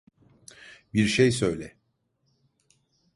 Bir şey söyle.